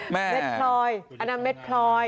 แม่อันนั้นเม็ดพลอย